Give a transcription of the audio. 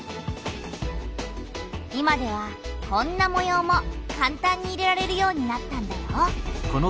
今ではこんなもようもかんたんに入れられるようになったんだよ。